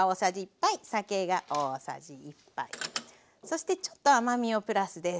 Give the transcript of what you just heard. そしてちょっと甘みをプラスです。